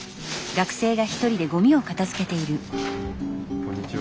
こんにちは。